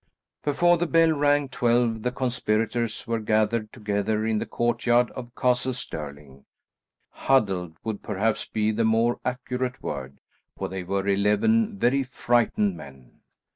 Before the bell rang twelve the conspirators were gathered together in the courtyard of Castle Stirling; huddled would perhaps be the more accurate word, for they were eleven very frightened men.